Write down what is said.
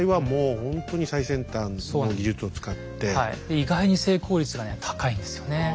意外に成功率がね高いんですよね。